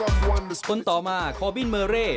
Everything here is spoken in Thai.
ต้นต่อมาคอลบินเมอร์เรย์